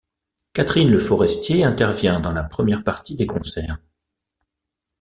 Catherine Le Forestier intervient dans la première partie des concerts.